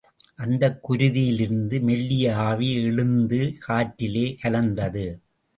அந்தக் குருதியிலிருந்து மெல்லிய ஆவி எழுந்து காற்றிலே கலந்தது.